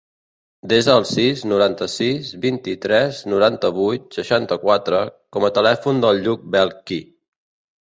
Desa el sis, noranta-sis, vint-i-tres, noranta-vuit, seixanta-quatre com a telèfon del Lluc Belchi.